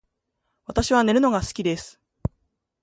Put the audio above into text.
私は寝るのが好きです